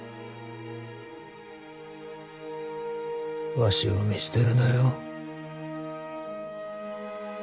わしを見捨てるなよ。